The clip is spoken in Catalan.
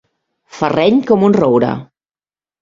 Ferreny com un roure.